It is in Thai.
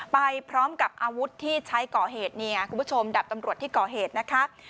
ไปพร้อมกับอาวุธที่ใช้ก่อเหตุเนี่ยคุณผู้ชมดับตำรวจที่ก่อเหตุนะคะ